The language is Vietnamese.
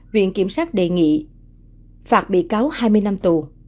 viện kiểm sát đề nghị phạt bị cáo hai mươi năm tù